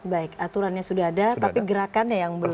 baik aturannya sudah ada tapi gerakannya yang belum